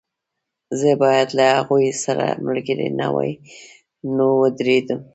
زه باید له هغوی سره ملګری نه وای نو ودرېدم